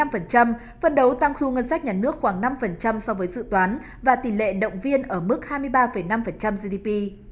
phần đầu tăng khu ngân sách nhà nước khoảng năm so với dự toán và tỷ lệ động viên ở mức hai mươi ba năm gdp